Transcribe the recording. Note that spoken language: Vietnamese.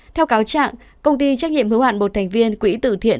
theo cáo trạng công ty trách nhiệm hứa hoạn một thành viên quỹ tử thiện